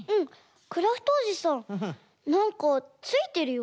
クラフトおじさんなんかついてるよ。